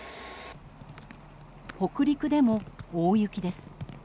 北陸でも大雪です。